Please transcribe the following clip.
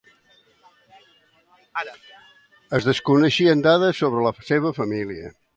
Es desconeixen dades sobre la seva família.